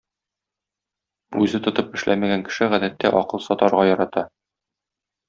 Үзе тотып эшләмәгән кеше гадәттә акыл сатарга ярата.